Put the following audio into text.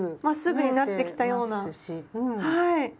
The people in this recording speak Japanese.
まっすぐになってきたようなはい。